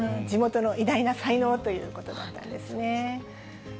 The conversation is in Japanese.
地元の偉大な才能ということだったんですね。